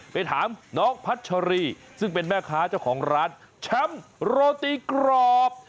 ไปถามน้องพัชรีซึ่งเป็นแม่ค้าเจ้าของร้านแชมป์โรตีกรอบ